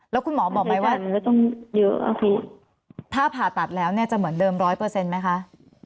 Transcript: แล้วคุณหมอบอกไหมว่าถ้าผ่าตัดแล้วเนี่ยจะเหมือนเดิมร้อยเปอร์เซ็นต์ไหมคะ